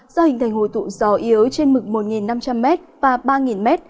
do hình thành hồi tụ gió yếu trên mực một năm trăm linh m và ba m